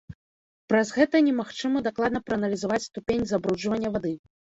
Праз гэта немагчыма дакладна прааналізаваць ступень забруджвання вады.